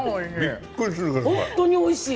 本当においしい。